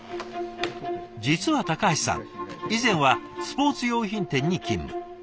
実は橋さん以前はスポーツ用品店に勤務。